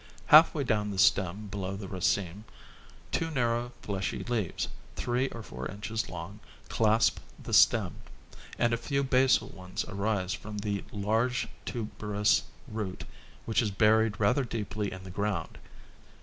Half way down the stem below the raceme, two narrow fleshy leaves, three or four inches long, clasp the stem, and a few basal ones arise from the large tuberous root which is buried rather deeply in the ground.